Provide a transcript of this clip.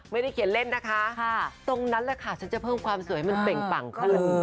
ไม่ได้เขียนเล่นนะคะตรงนั้นแหละค่ะเช้าจะเพิ่มกว่ามันแสดงคลั่งขึ้น